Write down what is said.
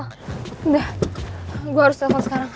sudah gue harus telepon sekarang